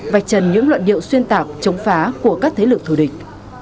vạch trần những luận điệu xuyên tạc chống phá của các thế lực thù địch